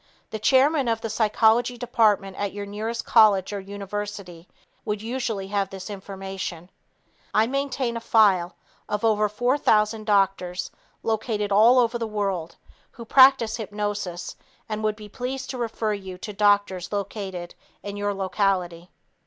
The chairman of the psychology department at your nearest college or university would usually have this information. I maintain a file of over 4,000 doctors located all over the world who practice hypnosis and would be pleased to refer you to doctors located in your locality.